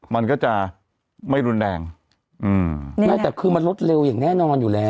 มันก็จะไม่รุนแรงอืมไม่แต่คือมันลดเร็วอย่างแน่นอนอยู่แล้ว